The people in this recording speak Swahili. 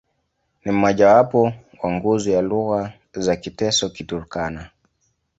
Ni mmojawapo wa nguzo ya lugha za Kiteso-Kiturkana.